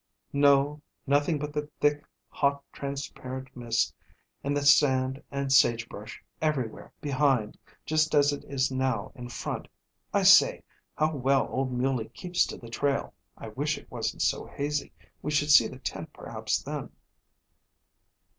"No; nothing but the thick, hot, transparent mist and the sand and sage brush everywhere, behind, just as it is now in front. I say, how well old muley keeps to the trail! I wish it wasn't so hazy; we should see the tent perhaps then."